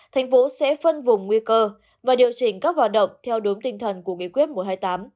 thành phố sẽ phân vùng nguy cơ và điều chỉnh các hoạt động theo đúng tinh thần của nghị quyết một trăm hai mươi tám